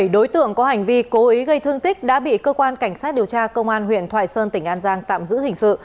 bảy đối tượng có hành vi cố ý gây thương tích đã bị cơ quan cảnh sát điều tra công an huyện thoại sơn tỉnh an giang tạm giữ hình sự